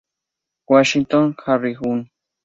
Washington, Harriet Un.